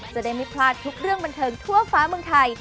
จะได้ไม่พลาดทุกเรื่องบันเทิงทั่วฟ้าเมืองไทย